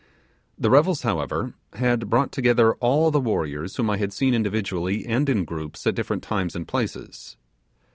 The revels, however, had brought together all the warriors whom I had seen individually and in groups at different times and places.